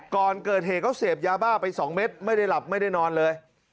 ก่อนเกิดเหตุเขาเสพยาบ้าไป๒เม็ดไม่ได้หลับไม่ได้นอนเลย